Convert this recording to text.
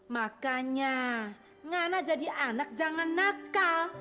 makanya ngana jadi anak jangan nakal